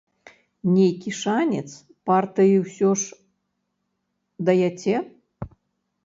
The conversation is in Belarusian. Нейкі шанец партыі ўсё ж даяце?